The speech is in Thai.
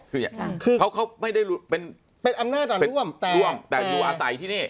เพราะเขาไม่ได้รู้เป็นเป็นอำนาจอำนาจร่วมแต่รู้อาศัยที่นี่